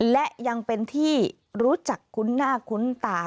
และยังเป็นที่รู้จักคุ้นหน้าคุ้นตา